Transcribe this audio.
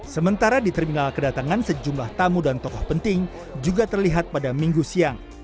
sementara di terminal kedatangan sejumlah tamu dan tokoh penting juga terlihat pada minggu siang